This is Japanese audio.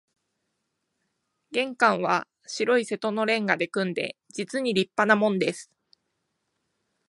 玄関は白い瀬戸の煉瓦で組んで、実に立派なもんです